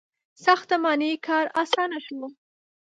• ساختماني کار آسانه شو.